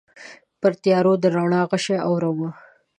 پرتیارو د رڼا غشي اورومه